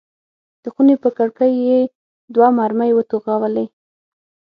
د خونې پر کړکۍ یې دوه مرمۍ وتوغولې.